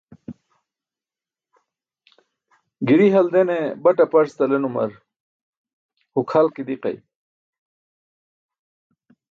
Giri haldene bat aparc talenumar huk hal ke diqay.